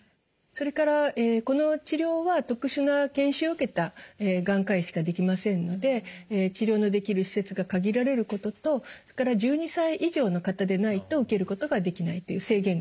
それからこの治療は特殊な研修を受けた眼科医しかできませんので治療のできる施設が限られることとそれから１２歳以上の方でないと受けることができないという制限があります。